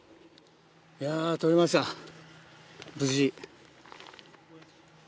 いや取れました無事。